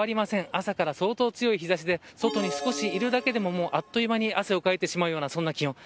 朝から相当強い日差しで外に少しいるだけでもあっという間に汗をかいてしまうような気温。